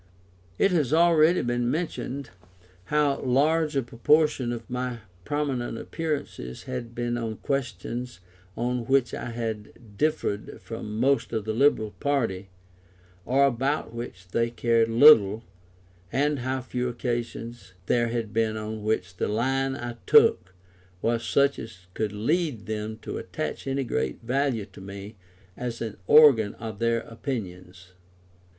It has already been mentioned, how large a proportion of my prominent appearances had been on questions on which I differed from most of the Liberal party, or about which they cared little, and how few occasions there had been on which the line I took was such as could lead them to attach any great value to me as an organ of their opinions.